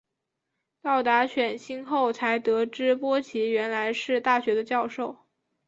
到达犬星后才得知波奇原来是大学的教授。